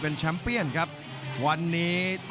และอัพพิวัตรสอสมนึก